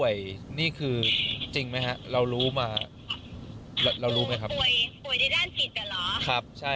แต่พี่กรุงเธอพ่อได้วิตกและอาการวิตกจริต